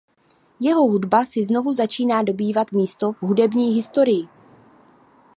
Jeho hudba si znovu začíná dobývat místo v hudební historii.